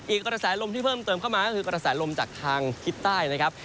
กระแสลมที่เพิ่มเติมเข้ามาก็คือกระแสลมจากทางทิศใต้นะครับ